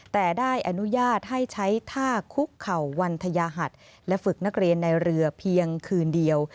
แต่ได้อนุญาตให้ใช้ท่าคุกเข่าวันทยาหัสและฝึกนักเรียนในเรือเพียงคืนเดียว